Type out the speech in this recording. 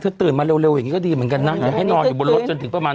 คือตื่นมาเร็วอย่างนี้ก็ดีเหมือนกันนะอย่าให้นอนอยู่บนรถจนถึงประมาณ